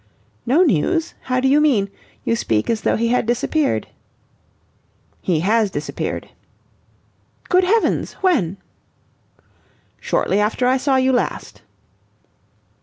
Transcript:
"No news? How do you mean? You speak as though he had disappeared." "He has disappeared!" "Good heavens! When?" "Shortly after I saw you last."